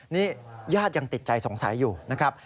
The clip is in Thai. นี่ญาติยังติดใจสงสัยอยู่นะครับ